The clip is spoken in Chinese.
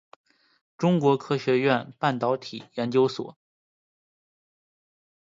中国科学院半导体研究所。